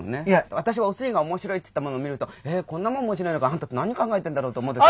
私はおすぎが面白いと言ったもの見るとこんなもん面白いのかあんたって何考えてんだろうと思う時ある。